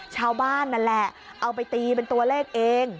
ชาวบ้านนั่นแหละเอาไปตีเป็นตัวเลขเอง